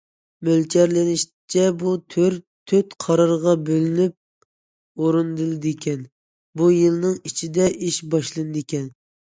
مۆلچەرلىنىشىچە، بۇ تۈر تۆت قارارغا بۆلىنىپ ئورۇندىلىدىكەن، بۇ يىلنىڭ ئىچىدە ئىش باشلىنىدىكەن.